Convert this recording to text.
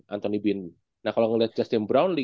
anthony bean nah kalau ngeliat justin brownlee